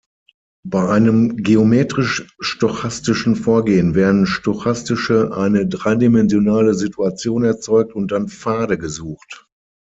Bei einem geomterisch-stochastischen Vorgehen werden stochastische eine dreidimensionale Situation erzeugt und dann Pfade gesucht.